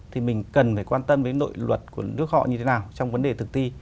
thì mình cần phải quan tâm đến nội luật của nước họ như thế nào trong vấn đề thực thi